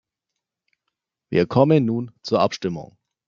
Wir kommen nun zur Abstimmung.